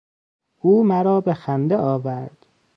او مرا به خنده آورد.